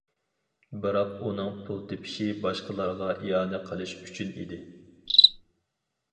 بىراق ئۇنىڭ پۇل تېپىشى باشقىلارغا ئىئانە قىلىش ئۈچۈن ئىدى.